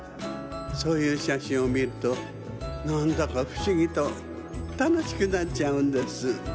そういうしゃしんをみるとなんだかふしぎとたのしくなっちゃうんです。